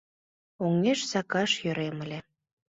Оҥеш сакаш йӧрем ыле.